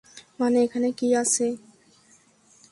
মানে, এখানে কি আছে?